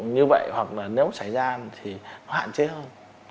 như vậy hoặc là nếu xảy ra thì hoạn chế hơn